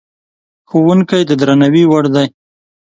ښوونکی د درناوي وړ دی.